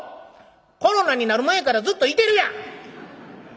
コロナになる前からずっと居てるやん！」。